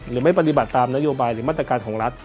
หรือไม่ปฏิบัติตามนโยบายหรือมาตรการของรัฐ